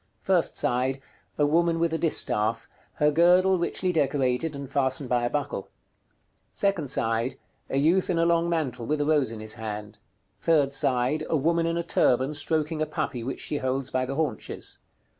First side. A woman with a distaff; her girdle richly decorated, and fastened by a buckle. Second side. A youth in a long mantle, with a rose in his hand. Third side. A woman in a turban stroking a puppy which she holds by the haunches.